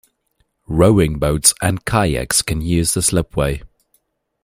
Rowing boats and kayaks can use the slipway.